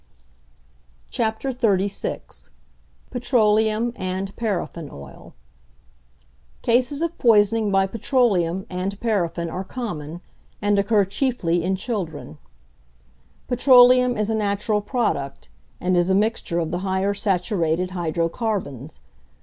XXXVI. PETROLEUM AND PARAFFIN OIL Cases of poisoning by petroleum and paraffin are common, and occur chiefly in children. =Petroleum= is a natural product, and is a mixture of the higher saturated hydrocarbons.